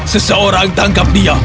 seseorang tangkap dia